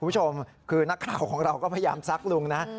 คุณผู้ชมคือนักข่าวของเราก็พยายามซักลุงนะ